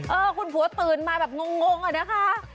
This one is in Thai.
เออคุณผัวตื่นมาแบบงงอะนะคะ